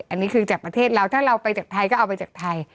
อันนี้คือจากประเทศเราถ้าเราไปจากไทยก็เอาไปจากไทย